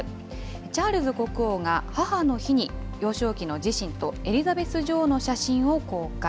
チャールズ国王が母の日に幼少期の自身とエリザベス女王の写真を公開。